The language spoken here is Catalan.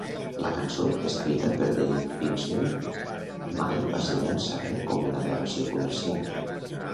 La cançó, escrita per Dave Greenslade, mai va ser llançada com una gravació comercial.